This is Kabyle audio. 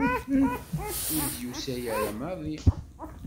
Ur d-yusi ara maḍi.